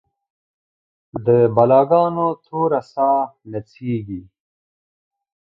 د بلا ګانو توره ساه نڅیږې